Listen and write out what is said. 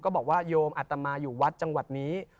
บอกว่าโยมอัตมาอยู่วัดจังหวัดนี้